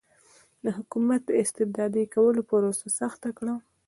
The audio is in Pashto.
د حکومت د استبدادي کولو پروسه سخته کړه.